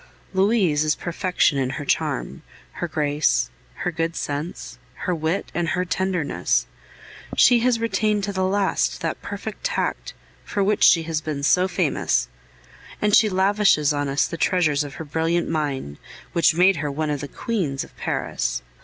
Louise is perfection in her charm, her grace, her good sense, her wit, and her tenderness. She has retained to the last that perfect tact for which she has been so famous, and she lavishes on us the treasures of her brilliant mind, which made her one of the queens of Paris.